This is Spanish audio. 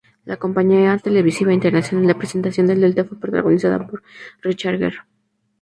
La campaña televisiva internacional de presentación del Delta fue protagonizada por Richard Gere.